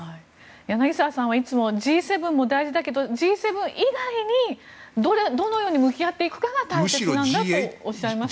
柳澤さんはいつもＧ７も大事だけどＧ７以外にどのように向き合っていくかが大事なんだとおっしゃいますよね。